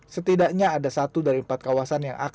setidaknya ada satu dari empat kawasan yang akan